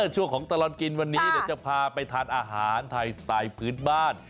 ช่วงของตลอดกินวันนี้เดี๋ยวจะพาไปทานอาหารไทยสไตล์พื้นบ้าน